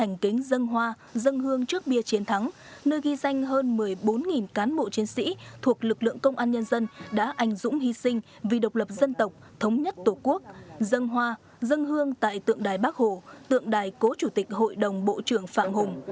anh dũng hy sinh vì độc lập dân tộc thống nhất tổ quốc dân hoa dân hương tại tượng đài bác hồ tượng đài cố chủ tịch hội đồng bộ trưởng phạm hùng